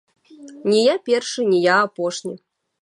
Не я першы, не я апошні.